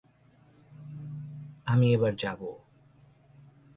আমি এবার যাবো।